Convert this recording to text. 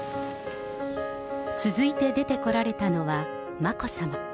続いて出てこられたのは眞子さま。